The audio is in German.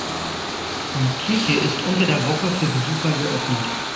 Die Kirche ist unter der Woche für Besucher geöffnet.